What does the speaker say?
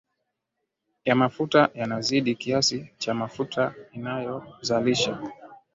ya mafuta yanazidi kiasi cha mafuta inayozalisha